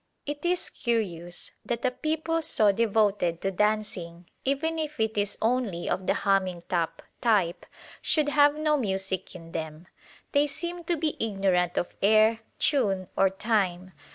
It is curious that a people so devoted to dancing, even if it is only of the humming top type, should have no music in them. They seem to be ignorant of air, tune, or time.